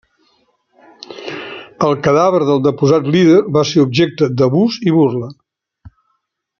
El cadàver del deposat líder va ser objecte d'abús i burla.